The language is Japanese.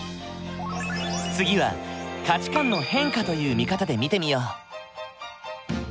次は価値観の変化という見方で見てみよう。